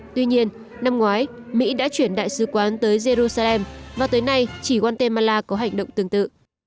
tuy nhiên năm ngoái mỹ đã chuyển đại sứ quán tới jerusalem và tới nay chỉ guatemala có hành động tương tự